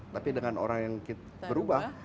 tapi dengan orang yang berubah